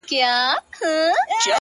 • مخ ځيني واړوه ته؛